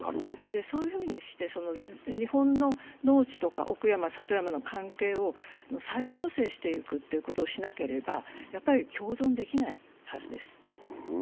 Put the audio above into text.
そういうふうにして、日本の農地とか奥山、里山の環境を再構成していくということをしなければ共存できないはずです。